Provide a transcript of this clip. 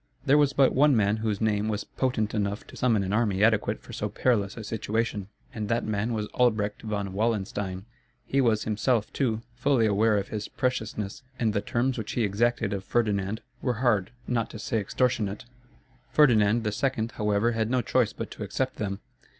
There was but one man whose name was potent enough to summon an army adequate for so perilous a situation; and that man was Albrecht von Wallenstein. He was himself, too, fully aware of his preciousness and the terms which he exacted of Ferdinand were hard, not to say extortionate. Ferdinand II., however, had no choice but to accept them.